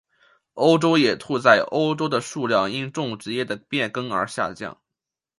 欧洲野兔在欧洲的数量因种植业的变更而下降。